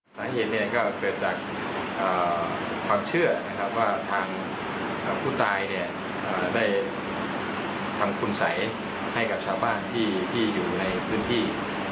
สาเหตุก็เกิดจากความเชื่อนะครับว่าทางผู้ตายได้ทำคุณสัยให้กับชาวบ้านที่อยู่ในพื้นที่